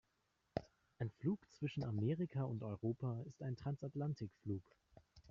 Ein Flug zwischen Amerika und Europa ist ein Transatlantikflug.